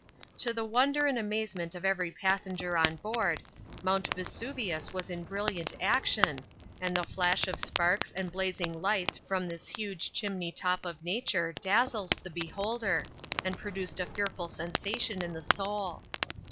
To the wonder and amazement of every passenger on board, Mount Vesuvius was in brilliant action, and the flash of sparks and blazing lights from this huge chimney top of Nature dazzled the beholder, and produced a fearful sensation in the soul.